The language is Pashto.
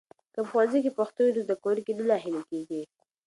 که په ښوونځي کې پښتو وي، نو زده کوونکي نه ناهيلي کېږي.